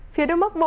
phía đất mốc bộ